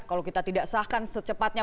kalau kita tidak sahkan secepatnya